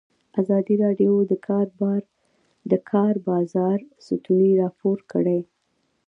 ازادي راډیو د د کار بازار ستونزې راپور کړي.